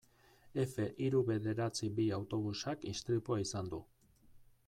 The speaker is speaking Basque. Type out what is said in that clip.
Efe hiru bederatzi bi autobusak istripua izan du.